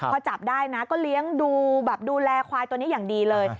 พอจับได้นะก็เลี้ยงดูแบบดูแลควายตัวนี้อย่างดีเลย